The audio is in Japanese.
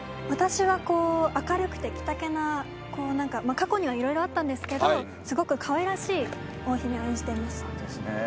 私は明るくて、過去にはいろいろあったんですけどすごくかわいらしい大姫を演じています。